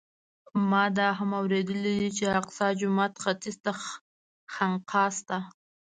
ما دا هم اورېدلي چې د الاقصی جومات ختیځ ته خانقاه شته.